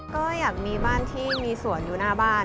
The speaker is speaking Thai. ก็อยากมีบ้านที่มีสวนอยู่หน้าบ้าน